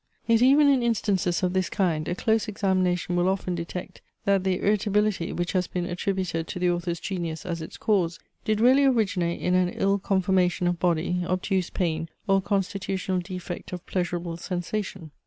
Yet even in instances of this kind, a close examination will often detect, that the irritability, which has been attributed to the author's genius as its cause, did really originate in an ill conformation of body, obtuse pain, or constitutional defect of pleasurable sensation.